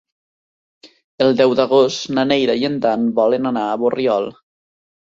El deu d'agost na Neida i en Dan volen anar a Borriol.